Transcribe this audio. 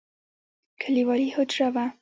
کليوالي حجره وه.